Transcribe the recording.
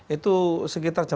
itu sekitar jam sebelas